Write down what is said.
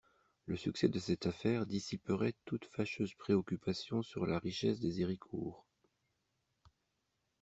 Le succès de cette affaire dissiperait toute fâcheuse préoccupation sur la richesse des Héricourt.